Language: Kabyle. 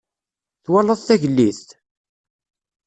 Twalaḍ tagellidt?